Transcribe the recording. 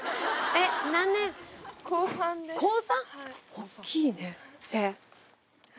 大っきいね背。